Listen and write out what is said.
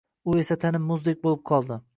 U esa tanim muzdek bo‘lib qoldi.